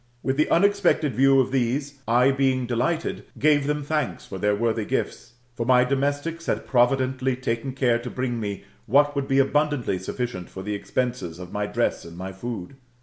With the unexpected view of these I, being delighted, gave them thanks for their worthy gifts : for my domestics had providently taken care to bring me what would be abundantly suflkient for the expenses of my dress and my food.